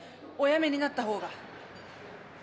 おやめになった方が。